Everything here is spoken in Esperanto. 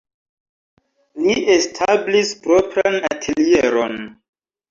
Li establis propran atelieron.